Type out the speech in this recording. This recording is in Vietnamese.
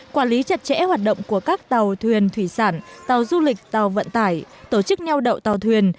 quản lý chặt chẽ hoạt động của các tàu thuyền thủy sản tàu du lịch tàu vận tải tổ chức neo đậu tàu thuyền